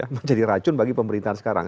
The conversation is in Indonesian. menjadi racun bagi pemerintahan sekarang